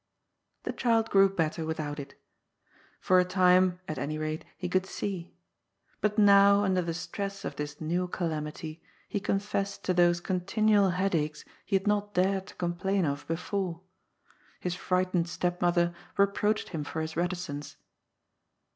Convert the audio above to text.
The child grew better without it. For a time, at any rate, he could see. But now under the stress of this new calamity, he confessed to those continual headaches he had not dared to complain of before. His frightened stepmother reproached him for his reticence.